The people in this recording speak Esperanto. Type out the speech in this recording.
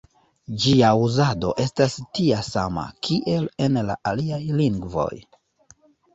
Ĝia uzado estas tia sama, kiel en la aliaj lingvoj.